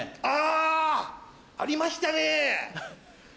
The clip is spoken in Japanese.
あ！ありましたね！